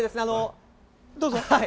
どうぞ。